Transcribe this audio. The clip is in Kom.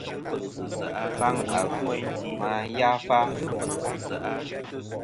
Baŋ avɨ nɨ ma yafa.